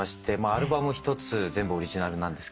アルバム１つ全部オリジナルなんですけど。